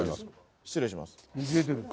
失礼します。